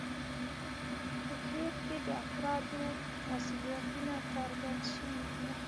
په هیر کې د افرادو مسوولیتونه څرګند شوي وو.